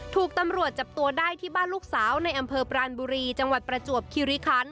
ถูกตำรวจจับตัวได้ที่บ้านลูกสาวในอำเภอปรานบุรีจังหวัดประจวบคิริคัน